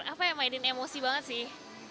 apa ya mainin emosi banget sih